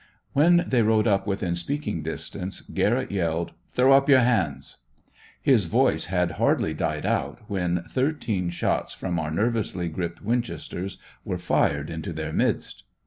When they rode up within speaking distance Garrett yelled, 'throw up your hands!' His voice had hardly died out when thirteen shots from our nervously gripped winchesters were fired into their midst.